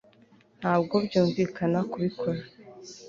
ntabwo byumvikana kubikora